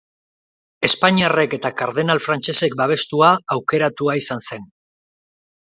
Espainiarrek eta kardenal frantsesek babestua, aukeratua izan zen.